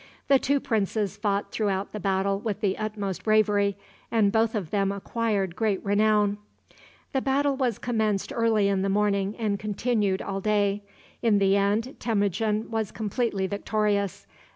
The two princes fought throughout the battle with the utmost bravery, and both of them acquired great renown. The battle was commenced early in the morning and continued all day. In the end, Temujin was completely victorious.